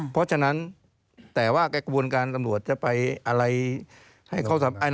เพราะฉะนั้นแต่ว่ากระบวนการตำรวจจะไปอะไรให้เขา